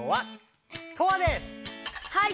はい。